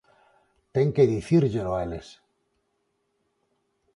Ten que dicírllelo a eles.